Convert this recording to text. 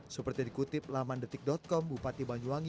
seperti dikutip laman detik com bupati banyuwangi